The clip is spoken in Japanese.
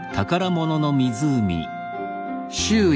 周囲